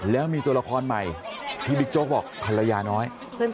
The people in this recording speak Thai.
แล้วมีตัวละครใหม่ที่บิ๊กโจ๊กบอกภรรยาน้อย